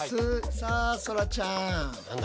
さあそらちゃん。何だ？